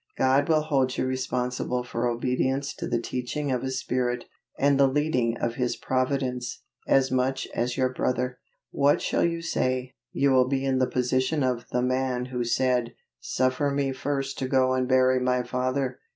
God will hold you responsible for obedience to the teaching of His Spirit, and the leading of His providence, as much as your brother. What shall you say? You will be in the position of the man who said, 'Suffer me first to go and bury my father.'"